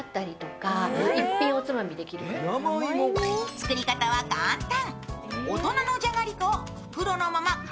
作り方は簡単。